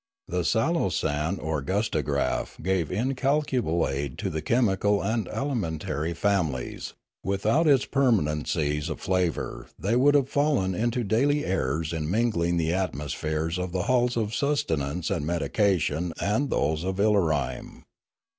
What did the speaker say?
The salosan or gustagraph gave incalcul able aid to the chemical and alimentary families; with out its permanencies of flavour they would have fallen into daily errors in mingling the atmospheres of the halls of sustenance and medication and those of Ilarime.